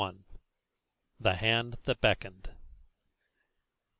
THE HAND THAT BECKONED.